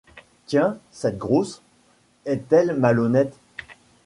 Tiens, cette grosse, est-elle malhonnête !